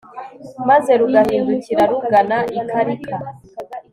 maze rugahindukira rugana i karika